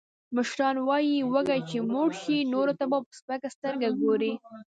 مشران وایي، وږی چې موړ شي، نورو ته په سپکه سترگه گوري.